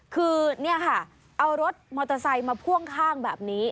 คือเนี่ยค่ะเอารถมอเตอร์ไซค์มาพ่วงข้างแบบนี้